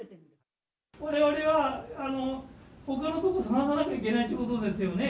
われわれは、ほかのところ探さなきゃいけないっていうことですよね。